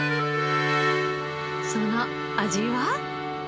その味は？